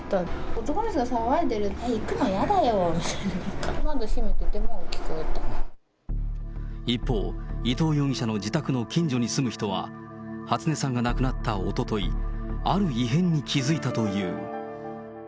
男の人が騒いでた、行くのやだよって、一方、伊藤容疑者の自宅の近所に住む人は、初音さんが亡くなったおととい、ある異変に気付いたという。